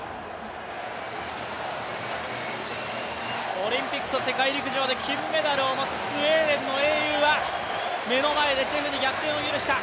オリンピックと世界陸上で金メダルを持つスウェーデンの英雄は目の前でチェフに逆転を許した。